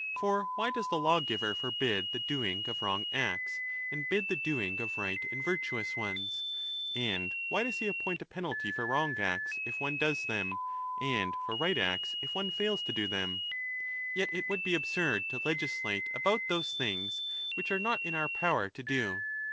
For why does the lawgiver 15 forbid the doing of wrong acts, and bid the doing of right and virtuous ones ? And why does he appoint a penalty for wrong acts, if one does them, and for right acts, if one fails to do them? Yet it would be absurd to legislate about those things which are not in our power to do.